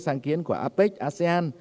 sáng kiến của apec asean